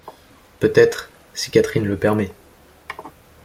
Peut-être, si Catherine le permet.